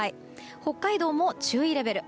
北海道も注意レベル。